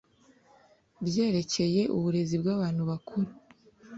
byerekeye uburezi bw abantu bakuru